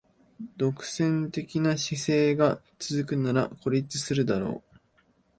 独占的な姿勢が続くなら孤立するだろう